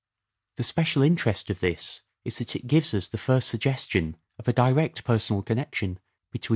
The special interest of this is that it gives us the The first first suggestion of a direct personal connection between connection.